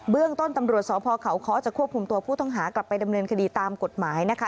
เรื่องต้นตำรวจสพเขาเคาะจะควบคุมตัวผู้ต้องหากลับไปดำเนินคดีตามกฎหมายนะคะ